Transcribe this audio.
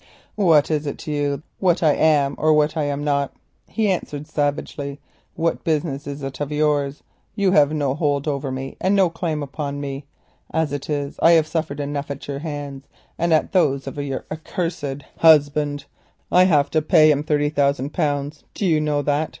"What is it to you what I am or what I am not?" he answered savagely. "What business is it of yours? You have no hold over me, and no claim upon me. As it is I have suffered enough at your hands and at those of your accursed husband. I have had to pay him thirty thousand pounds, do you know that?